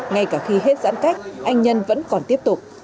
ngay cả khi hết giãn cách anh nhân vẫn còn tiếp tục